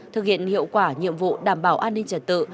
thực hiện hiệu quả nhiệm vụ đảm bảo an ninh trật tự